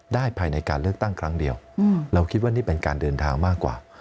ได้ภายในการเลือกตั้งครั้งเดียวเราคิดว่านี่เป็นการเดินทางมากกว่า